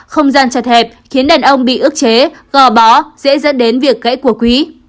không gian chật hẹp khiến đàn ông bị ức chế gò bó dễ dẫn đến việc gãy của quý